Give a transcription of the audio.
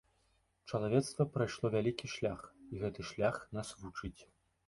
Чалавецтва прайшло вялікі шлях, і гэты шлях нас вучыць.